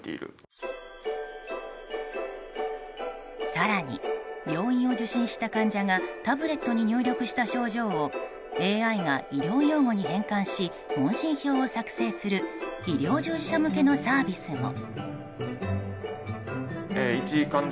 更に、病院を受診した患者がタブレットに入力した症状をＡＩが医療用語に変換し問診票を作成する医療従事者向けのサービスも。